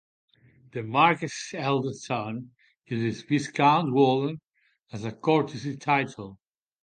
The Marquess' eldest son uses "Viscount Walden" as a courtesy title.